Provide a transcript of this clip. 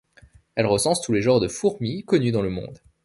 Elle recense tous les genres de fourmis connus dans le monde.